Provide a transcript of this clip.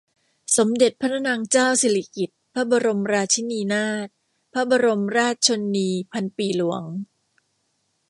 สมเด็จพระนางเจ้าสิริกิติ์ พระบรมราชินีนาถ พระบรมราชชนนีพันปีหลวง